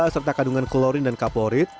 serta kandungan klorin dan kaplorit